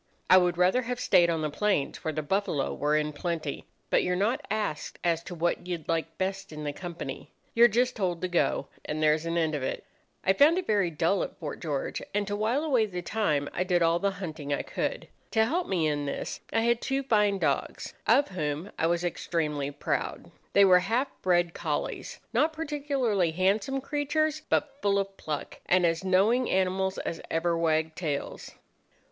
I would rather have stayed on the plains, where the buffalo were in plenty; but you're not asked as to what you'd like best in the company. You're just told to go, and there's an end of it. I found it very dull at Fort George, and to while away the time I did all the hunting I could. To help me in this I had two fine dogs, of whom I was extremely proud. They were half bred collies, not particularly handsome creatures, but full of pluck, and as knowing animals as ever wagged tails.